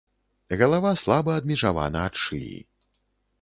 Галава слаба адмежавана ад шыі.